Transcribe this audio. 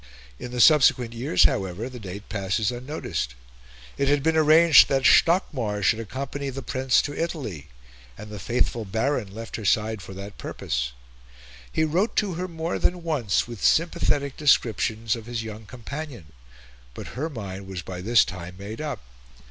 In the subsequent years, however, the date passes unnoticed. It had been arranged that Stockmar should accompany the Prince to Italy, and the faithful Baron left her side for that purpose. He wrote to her more than once with sympathetic descriptions of his young companion; but her mind was by this time made up.